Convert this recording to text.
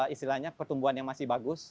istilahnya pertumbuhan yang masih bagus